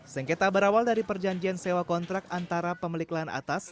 sengketa berawal dari perjanjian sewa kontrak antara pemilik lahan atas